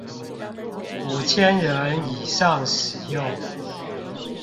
五千人以上使用